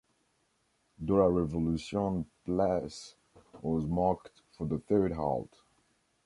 de la Révolution Place was marked for the third halt.